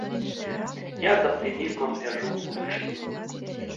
Я з аптымізмам гляджу ў будучыню!